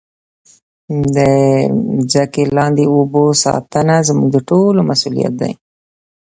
د مځکې لاندې اوبو ساتنه زموږ د ټولو مسؤلیت دی.